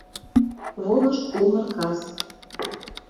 Волыш умыр кас.